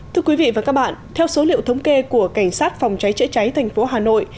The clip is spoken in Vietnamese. thưa quý vị và các bạn theo số liệu thống kê của cảnh sát phòng cháy chữa cháy thành phố hà nội